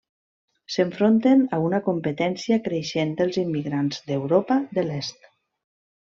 S'enfronten a una competència creixent dels immigrants d'Europa de l'Est.